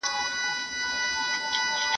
تورو د څوکـو چا دانګل، چا لۀ ســــرونو دانګل